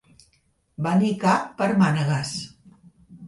Venir cap per mànegues.